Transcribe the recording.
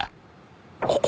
ここ？